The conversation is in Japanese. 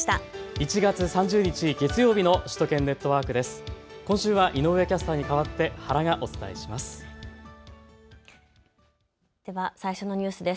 １月３０日、月曜日の首都圏ネットワークです。